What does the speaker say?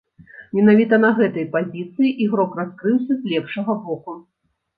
Менавіта на гэтай пазіцыі ігрок раскрыўся з лепшага боку.